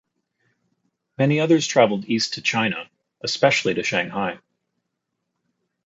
Many others traveled East to China especially to Shanghai.